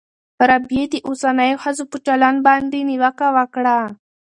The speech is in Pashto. رابعې د اوسنیو ښځو په چلند باندې نیوکه وکړه.